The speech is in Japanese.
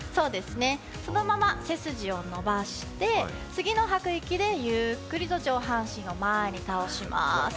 そのまま背筋を伸ばして、次の吐く息でゆっくりと上半身を前に倒します。